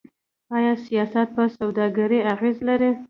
آیا سیاست په سوداګرۍ اغیز لري؟